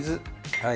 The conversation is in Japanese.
はい。